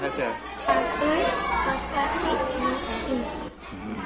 sepatu sepatu dan sepatu